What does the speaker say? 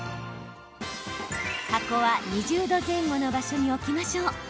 箱は、２０度前後の場所に置きましょう。